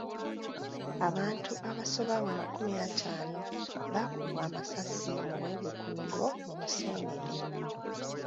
Abantu abasoba mu makumi ataano baakubwa amasasi mu bwegugungo mu museenene.